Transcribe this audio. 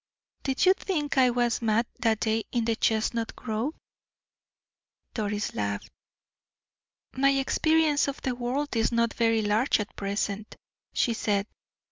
"Did you think I was mad that day in the chestnut grove?" Lady Doris laughed. "My experience of the world is not very large at present," she said.